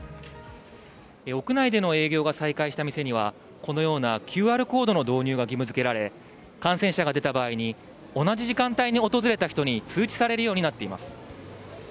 屋内での営業が再開した店にはこのようなＱＲコードの導入が義務づけられ、感染者が出た場合に同じ時間帯に訪れた人に通知されるようになっています。